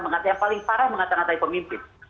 yang paling parah mengatang atai pemimpin